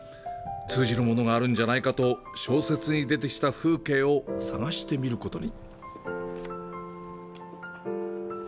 通じるものがあるんじゃないかと小説に出てきた風景を探してみることに。